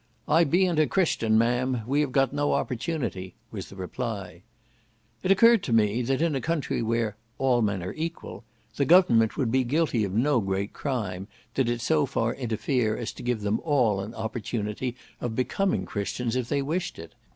"I beant a Christian, Ma'am; we have got no opportunity," was the reply. It occurred to me, that in a country where "all men are equal," the government would be guilty of no great crime, did it so far interfere as to give them all an opportunity of becoming Christians if they wished it.